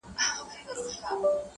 زه که نه سوم ته- د ځان په رنګ دي کم-